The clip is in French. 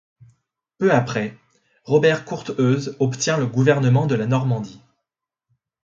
Peu après, Robert Courteheuse obtient le gouvernement de la Normandie.